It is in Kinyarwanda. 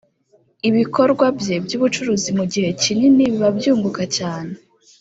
ibikorwa bye by ubucuruzi mu gihe kinini biba byunguka cyane